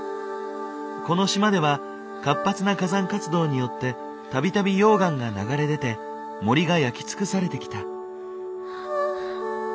この島では活発な火山活動によって度々溶岩が流れ出て森が焼き尽くされてきた。